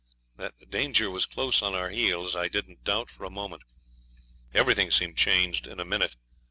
That danger was close at our heels I didn't doubt for a moment. Everything seemed changed in a minute.